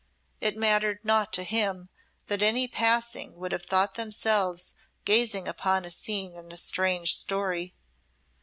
It mattered naught to him that any passing would have thought themselves gazing upon a scene in a strange story.